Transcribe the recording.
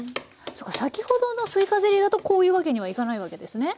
そうか先ほどのすいかゼリーだとこういうわけにはいかないわけですね？